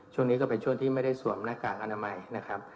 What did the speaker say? ช่วงนี้ก็เป็นช่วงที่ไม่ได้สวมหน้ากากอนามัยนะครับ